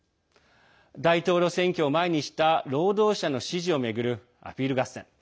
大統領選挙を前にした労働者の支持を巡るアピール合戦。